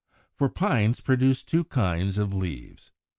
For Pines produce two kinds of leaves, 1.